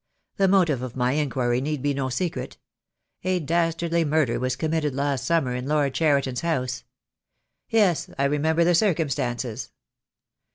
The motive of my inquiry need be no secret. A dastardly murder was committed last summer in Lord Cheriton's house " "Yes, I remember the circumstances."